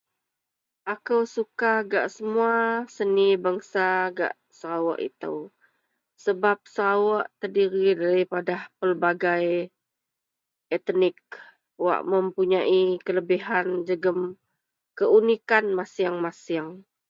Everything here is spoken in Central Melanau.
Akou suka gak semua seni bengsa gak Serawuok itou, sebab Serawuok terdiri daripada pelbagai etnik wak mempunyai kelebihan jegem keunikan masieng-masieng